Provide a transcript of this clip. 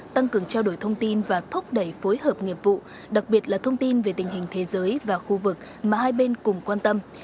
tăng cường trao đổi thông tin và thúc đẩy phối hợp nghiệp vụ đặc biệt là thông tin về tình hình thế giới và khu vực mà hai bên cùng quan tâm